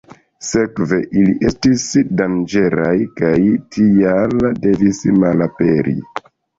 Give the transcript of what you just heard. Sekve, ili estis danĝeraj kaj tial devis malaperi.